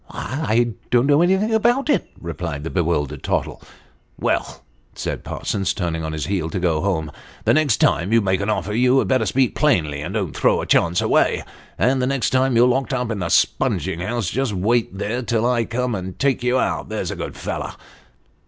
" I don't know anything about it," replied the bewildered Tottle. "Well," said Parsons, turning on his heel to go home, "the next time you make an offer, you had better speak plainly, and don't throw a chance away. And the next time you're locked up in a spunging house, just wait there till I come and take you out, there's a good fellow."